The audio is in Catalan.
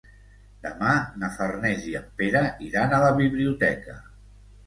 Demà na Farners i en Pere iran a la biblioteca.